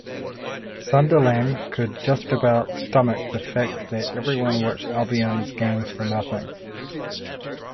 Sunderland could just about stomach the fact that everyone watched Albion's games for nothing.